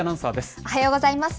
おはようございます。